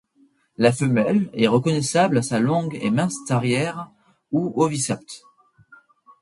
La femelle est reconnaissable à sa longue et mince tarière ou oviscapte.